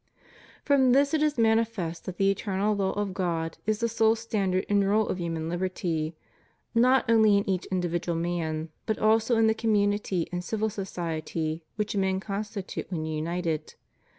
From this it is manifest that the eternal law of God is the sole standard and rule of human hberty, not only in each individual man, but also in the community and civil society which men constitute when united.